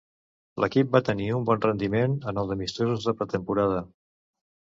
L'equip va tenir un bon rendiment en els amistosos de pretemporada.